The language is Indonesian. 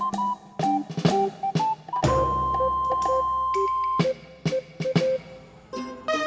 papa ngepel dulu ya